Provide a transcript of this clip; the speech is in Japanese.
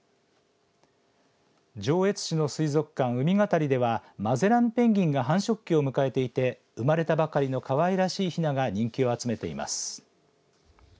上越市の水族館うみがたりではマゼランペンギンが繁殖期を迎えていて生まれたばかりのかわいらしいひなが人気を集めています。